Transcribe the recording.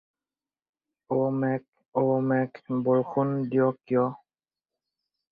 “অ’ মেঘ অ’মেঘ বৰষুণ দিয় কিয়?”